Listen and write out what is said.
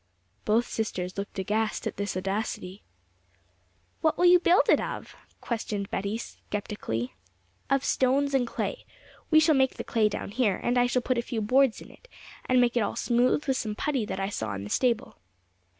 Both sisters looked aghast at this audacity. 'What will you build it of?' questioned Betty sceptically. 'Of stones and clay. We shall make the clay down there; and I shall put a few boards in, and make it all smooth with some putty that I saw in the stable.'